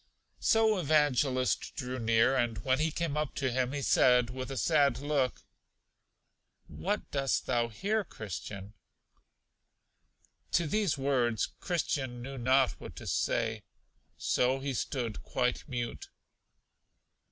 So Evangelist drew near, and when he came up to him, he said, with a sad look; What dost thou here, Christian? To these words Christian knew not what to say, so he stood quite mute.